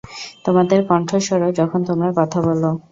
তোমাদের কণ্ঠস্বরও, যখন তোমরা কথা বলো।